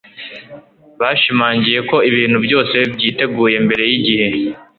Bashimangiye ko ibintu byose byiteguye mbere yigihe